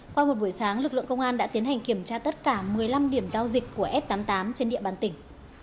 qua một buổi sáng lực lượng công an đã tiến hành kiểm tra tất cả một mươi năm điểm giao dịch của f tám mươi tám trên địa bàn tỉnh